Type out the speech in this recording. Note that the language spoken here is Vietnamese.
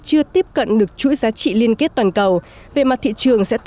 chưa tiếp cận được chuỗi giá trị liên kết toàn cầu về mặt thị trường sẽ tạo